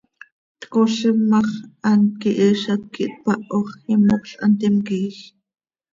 Tcozim ma x, hant quihiizat quih tpaho x, imocl hant imquiij.